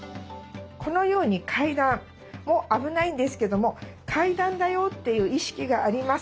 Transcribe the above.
このように階段も危ないんですけども階段だよっていう意識がありますので。